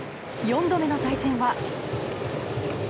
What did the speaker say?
４度目の対戦は。